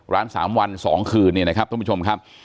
ร้าน๓วัน๒คืนนี้นะครับท่านผู้ชมครับ